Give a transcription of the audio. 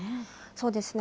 そうですね。